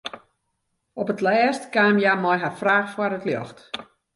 Op 't lêst kaam hja mei har fraach foar it ljocht.